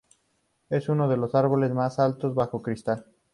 Es uno de los árboles más altos bajo cristal.